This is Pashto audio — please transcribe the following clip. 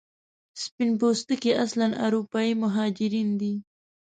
سپین پوستکي اصلا اروپایي مهاجرین دي.